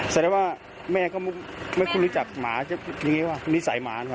อ๋อแสดงว่าแม่ก็ไม่คุ้นรู้จักหมายังไงว่ะมีสายหมานะครับ